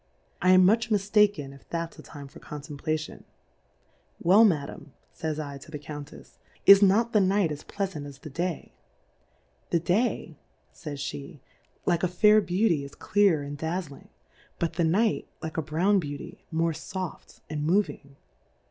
1 am much mi ftaken if that's a Time for Contempla tion : Well Madam J /^ J /, to the Qoun Plurality ^/WORLDS, 5^ tefs^ is not the Night as Pleafant as the Day ? The Day, fays pe, hke a fair Beauty, is clear and dazling ; but the Night, like a brown Beauty, more foft and moving.